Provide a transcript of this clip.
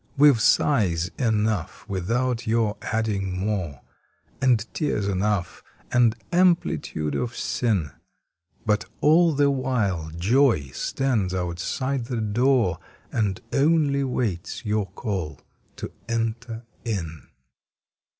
We ve sighs enough without your adding more, And tears enough, and amplitude of sin, But all the while Joy stands outside the door And only waits your call to enter in.